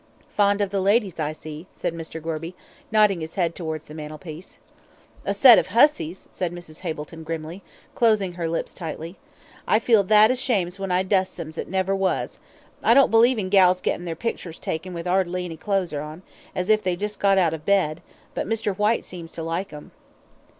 "Fond of the ladies, I see," said Mr. Gorby, nodding his head towards the mantelpiece. "A set of hussies," said Mrs. Hableton grimly, closing her lips tightly. "I feel that ashamed when I dusts 'em as never was I don't believe in gals gettin' their picters taken with 'ardly any clothes on, as if they just got out of bed, but Mr. Whyte seems to like 'em."